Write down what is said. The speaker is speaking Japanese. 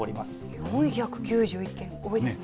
４９１件、多いですね。